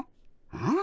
うん？